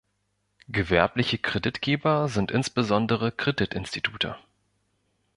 Gewerbliche Kreditgeber sind insbesondere Kreditinstitute.